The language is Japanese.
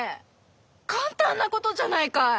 簡単なことじゃないかい！